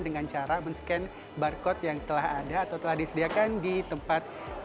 dengan cara men scan barcode yang telah ada atau telah disediakan di tempat